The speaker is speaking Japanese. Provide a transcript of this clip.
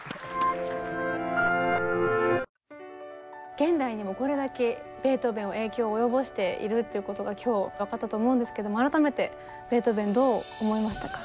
現代にもこれだけベートーベンは影響を及ぼしているということが今日分かったと思うんですけども改めてベートーベンどう思いましたか？